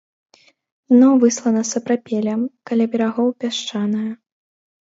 Дно выслана сапрапелем, каля берагоў пясчанае.